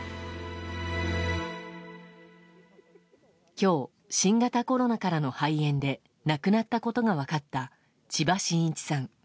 今日、新型コロナからの肺炎で亡くなったことが分かった千葉真一さん。